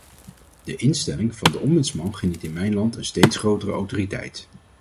De instelling van de ombudsman geniet in mijn land een steeds grotere autoriteit.